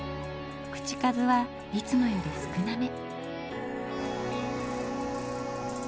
口数はいつもより少なめ。